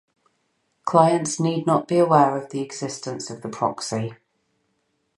Clients need not be aware of the existence of the proxy.